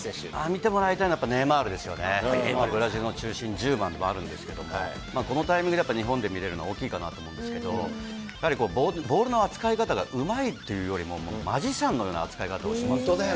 見てもらいたいのはやっぱりネイマールですよね、ブラジルの中心、１０番でもあるんですけれども、このタイミングで、日本で見れるのは大きいかなと思うんですけども、やはりボールの扱い方がうまいっていうよりも、マジシャンのような扱い方をしますね。